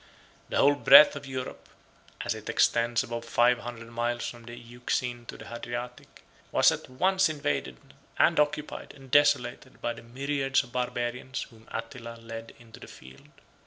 The whole breadth of Europe, as it extends above five hundred miles from the Euxine to the Hadriatic, was at once invaded, and occupied, and desolated, by the myriads of Barbarians whom Attila led into the field.